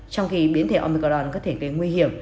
trong khi biến thể omicron có thể gây nguy hiểm